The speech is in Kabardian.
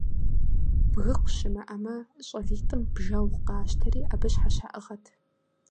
Бгыкъу щымыӀэмэ, щӀалитӀым бжэгъу къащтэрти, абы щхьэщаӀыгъэт.